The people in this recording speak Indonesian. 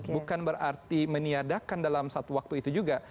bukan berarti meniadakan dalam satu waktu itu juga